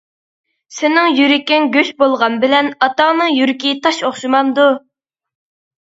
سېنىڭ يۈرىكىڭ گۆش بولغان بىلەن ئاتاڭنىڭ يۈرىكى تاش ئوخشىمامدۇ؟ !